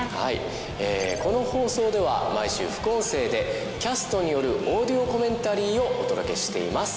ええこの放送では毎週副音声でキャストによるオーディオコメンタリーをお届けしています。